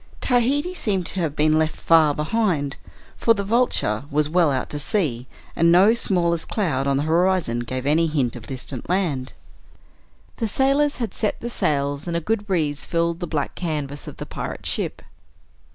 Tahiti seemed to have been left far behind, for the Vulture was well out to sea, and no smallest cloud on the horizon gave any hint of distant land. The sailors had set the sails and a good breeze filled the black canvas of the pirate ship.